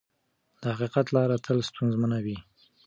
د حقیقت لاره تل ستونزمنه وي.